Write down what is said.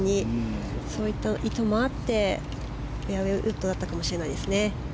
そういった意図もあってフェアウェーウッドだったかも知れないですね。